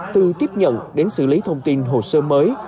từ tiếp nhận đến xử lý thông tin hồ sơ mới